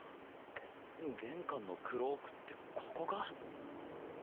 玄関のクロークってここか？